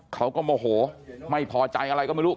เขาก็โมโหไม่พอใจอะไรก็ไม่รู้